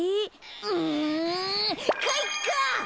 うんかいか！